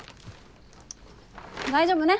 大丈夫ね？